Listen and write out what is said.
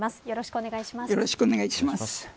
よろしくお願いします。